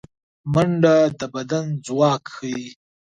منډه د بدن ځواک ښيي